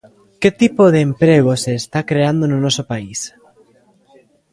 ¿Que tipo de emprego se está creando no noso país?